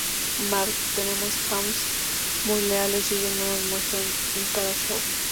Mark: Tenemos fans muy leales y ellos nos lo muestran en cada show.